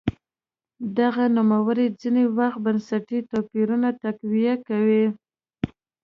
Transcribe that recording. دغه نورمونه ځیني وخت بنسټي توپیرونه تقویه کوي.